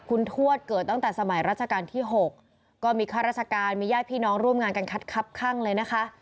คุณทวดเกิดตั้งแต่สมัยราชการที่๖ก็มีข้าราชการมีญาติพี่น้องร่วมงานกันคัดคับข้างเลยนะคะ